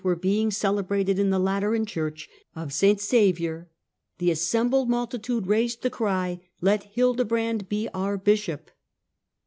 Were being celebrated in the Lateran Church: of St Saviour, the assembled multitude raised the cry :" Let Hildebrand be our bishop